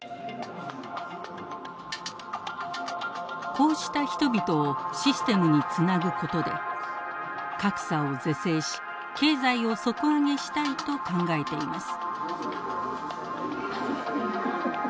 こうした人々をシステムにつなぐことで格差を是正し経済を底上げしたいと考えています。